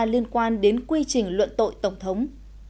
liên quan đến quy trình luận tội tổng thống